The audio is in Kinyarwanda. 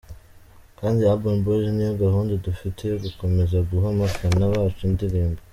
kandi Urban Boyz niyo gahunda dufite yo gukomeza guha abafana bacu indirimbo.